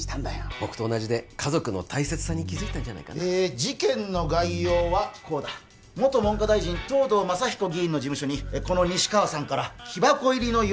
僕と同じで家族の大切さに気づいたんじゃないかな事件の概要はこうだ元文科大臣藤堂正彦議員の事務所にこの西川さんから木箱入りの羊羹